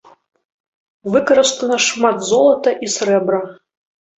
Выкарыстана шмат золата і срэбра.